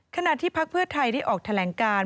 ขณะที่พักเพื่อไทยได้ออกแถลงการ